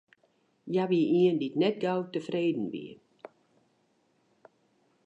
Hja wie ien dy't net gau tefreden wie.